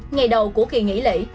ngày đầu của kỳ nghỉ lễ